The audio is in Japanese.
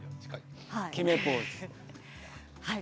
決めポーズ。